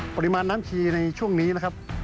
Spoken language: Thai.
ปริมาณน้ำชีในช่วงนี้นะครับ